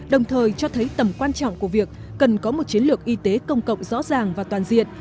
đồng thời cho thấy tầm quan trọng của việc cần có một chiến lược y tế công cộng rõ ràng và toàn diện